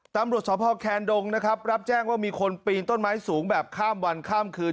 ตามรวชสอบภาวแคนดงรับแจ้งว่ามีคนปีนต้นไม้สูงแบบข้ามวันข้ามคืน